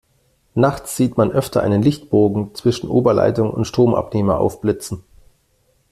Nachts sieht man öfter einen Lichtbogen zwischen Oberleitung und Stromabnehmer aufblitzen.